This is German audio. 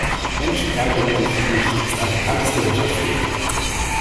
Mensch-Ärgere-Dich-nicht ist ein bekanntes Gesellschaftsspiel.